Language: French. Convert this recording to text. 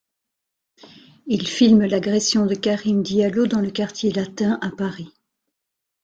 Ils filment l’agression de Karim Diallo dans le Quartier latin à Paris.